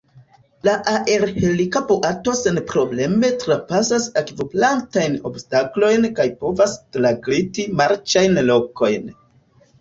La aerhelica boato senprobleme trapasas akvoplantajn obstaklojn kaj povas tragliti marĉajn lokojn.